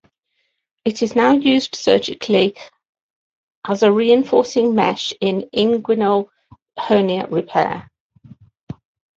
It is now used surgically as a reinforcing mesh in inguinal hernia repair.